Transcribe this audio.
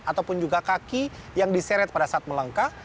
ataupun juga kaki yang diseret pada saat melangkah